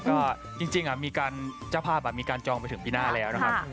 ก็จริงมีการเจ้าภาพมีการจองไปถึงปีหน้าแล้วนะครับ